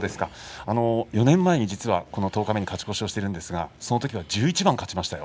４年前にこの十日目に勝ち越しをしているんですがそのときは１１番勝ちましたよ。